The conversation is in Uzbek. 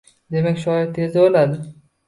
Demak shoir tezda oʻladi –